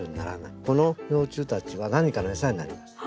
この幼虫たちは何かのエサになります。